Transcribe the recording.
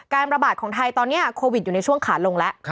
ระบาดของไทยตอนนี้โควิดอยู่ในช่วงขาลงแล้ว